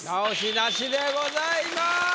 直しなしでございます。